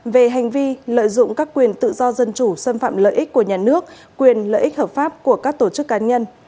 về hành vi lợi dụng các quyền tự do dân chủ xâm phạm lợi ích của nhà nước quyền lợi ích hợp pháp của các tổ chức cá nhân